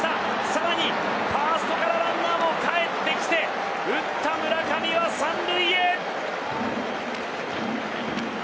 さらにファーストからランナーもかえってきて打った村上が３塁へ。